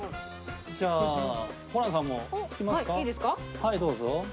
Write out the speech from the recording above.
はいどうぞ。